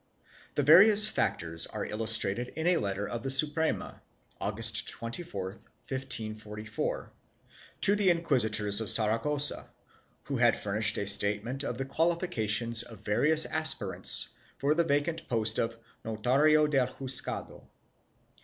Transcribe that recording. The various factors are illustrated in a letter of the Suprema, August 24, 1544, to the inquisitors of Saragossa who had furnished a statement of the qualifications of various aspirants for the vacant post of notario del juzgado.